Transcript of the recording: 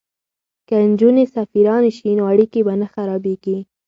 که نجونې سفیرانې شي نو اړیکې به نه خرابیږي.